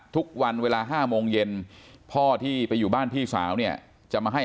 ทุกวันเวลา๕โมงเย็นพ่อที่ไปอยู่บ้านพี่สาวเนี่ยจะมาให้